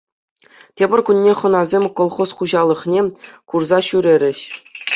Тепӗр кунне хӑнасем колхоз хуҫалӑхне курса ҫӳрерӗҫ.